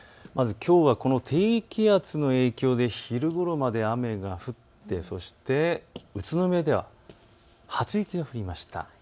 きょうはこの低気圧の影響で昼ごろまで雨が降って、そして宇都宮では初雪が降りました。